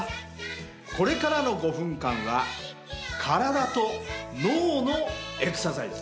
これからの５分間は体と脳のエクササイズ。